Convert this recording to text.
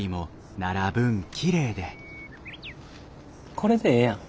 これでええやん。